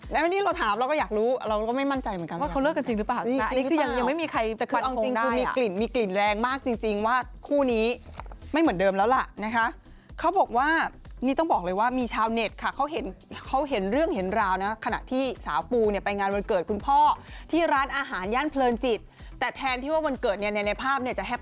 นี่เราถามเราก็อยากรู้เราก็ไม่มั่นใจเหมือนกัน